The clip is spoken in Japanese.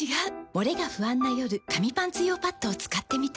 モレが不安な夜紙パンツ用パッドを使ってみた。